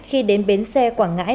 khi đến bến xe quảng ngãi